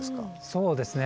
そうですね